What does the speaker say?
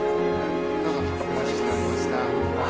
どうぞお待ちしておりました。